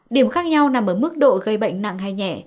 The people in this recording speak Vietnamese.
điểm khác nhau nằm ở mức độ gây bệnh nặng hay nhẹ